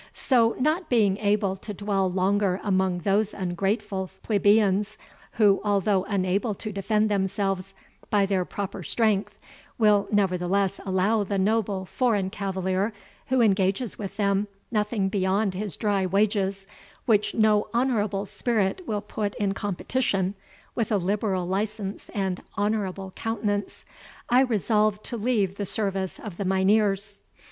So not being able to dwell longer among those ungrateful plebeians, who, although unable to defend themselves by their proper strength, will nevertheless allow the noble foreign cavalier who engages with them nothing beyond his dry wages, which no honourable spirit will put in competition with a liberal license and honourable countenance, I resolved to leave the service of the Mynheers.